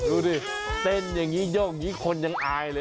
ดูดิเต้นอย่างนี้โยกอย่างนี้คนยังอายเลย